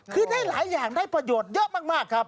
คือได้หลายอย่างได้ประโยชน์เยอะมากครับ